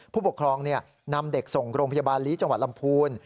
ผู้ปกครองนำเด็กส่งโรงพยาบาลลีจังหวัดลำพูน